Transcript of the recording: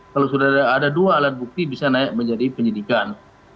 kalau sudah ada dua alat bukti bisa naik menjadi penyidikan